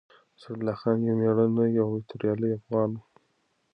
اسدالله خان يو مېړنی او توريالی افغان و.